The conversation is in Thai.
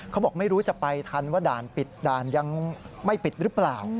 เขาบอกไม่รู้จะไปทันว่าด่านปิดด่านยังไม่ปิดหรือเปล่า